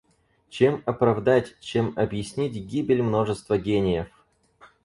Чем оправдать, чем объяснить гибель множества гениев?